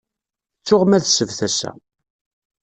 Ttuɣ ma d ssebt assa.